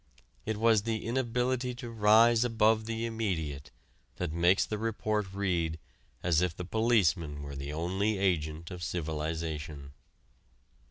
It was the inability to rise above the immediate that makes the report read as if the policeman were the only agent of civilization.